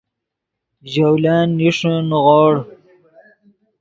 ژولن نیݰے نیغوڑ